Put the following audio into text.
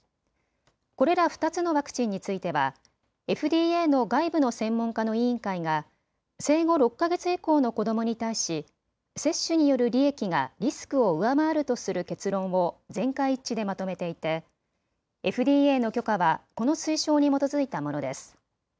これら２つのワクチンについてはＦＤＡの外部の専門家の委員会が生後６か月以降の子どもに対し接種による利益がリスクを上回るとする結論を全会一致でまとめていてＦＤＡの許可はこの推奨に基づいたものです。